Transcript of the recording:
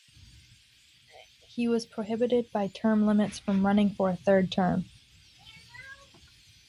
He was prohibited by term limits from running for a third term.